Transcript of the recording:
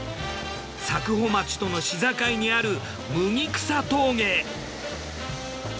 佐久穂町との市境にある麦草峠へ。